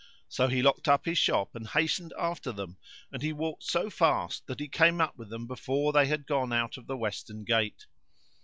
So he locked up his shop and hastened after them; and he walked so fast that he came up with them before they had gone out of the western gate.